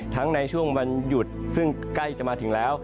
ในช่วงวันหยุดซึ่งใกล้จะมาถึงแล้ว